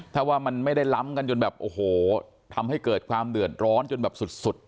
ถ้าว่ามันไม่ได้ล้ำกันจนแบบโอ้โหทำให้เกิดความเดือดร้อนจนแบบสุด